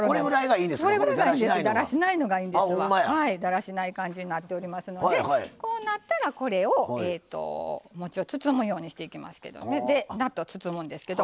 だらしない感じになっておりますのでこうなったらこれをもちを包むようにしていきますけど納豆を包むんですけど。